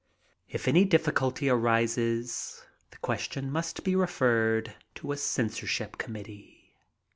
If any difficulty arises the question must be referred to a cen sorship committee.